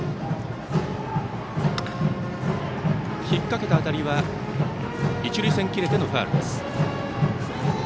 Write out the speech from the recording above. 引っ掛けた当たりは一塁線切れてのファウル。